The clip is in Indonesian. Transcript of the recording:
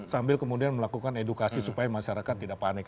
sambil kemudian melakukan edukasi supaya masyarakat tidak panik